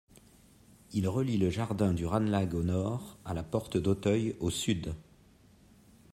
Il relie le jardin du Ranelagh au nord à la Porte d'Auteuil au sud.